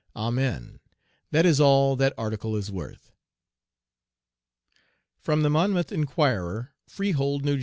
Amen. That is all that article is worth. (From the Monmouth Inquirer, Freehold, N.J.)